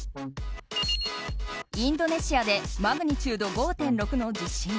インドネシアでマグニチュード５．６の地震。